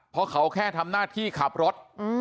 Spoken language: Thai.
เพราะเขาแค่ทำหน้าที่ขับรถ